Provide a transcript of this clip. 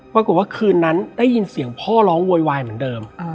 เมื่อคืนนั้นได้ยินเสียงพ่อร้องโวยวายเหมือนเดิม